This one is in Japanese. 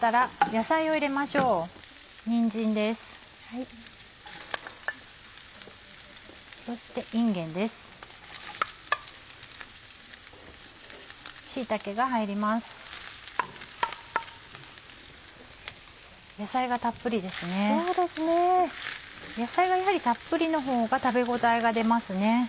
野菜がやはりたっぷりのほうが食べ応えが出ます。